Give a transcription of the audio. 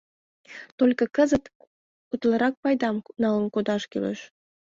Только кызыт утларак пайдам налын кодаш кӱлеш.